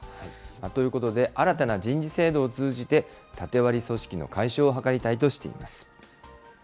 ということで、新たな人事制度を通じて、縦割り組織の解消を図りたいとしています。